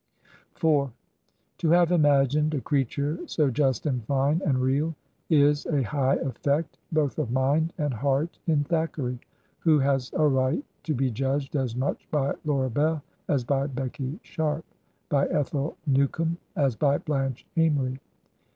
IV To have imagined a creature so just and fine and real is a high effect both of mind and heart in Thackeray, who has a right to be judged as much by Laura Bell as by Becky Sharp; by Ethel Newcome as by Blanche Amory.